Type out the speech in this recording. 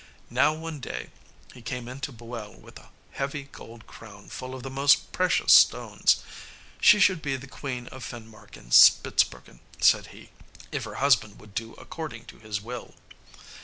Now one day he came in to Boel with a heavy gold crown full of the most precious stones. She should be the Queen of Finmark and Spitzbergen, said he, if her husband would do according to his will.